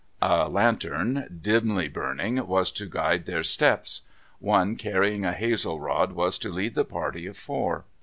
A lantern, dimly burning, was to guide their steps. One carrying a hazel rod was to lead the party of four.